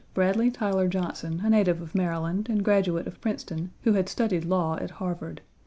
Bradley Tyler Johnson, a native of Maryland, and graduate of Princeton, who had studied law at Harvard.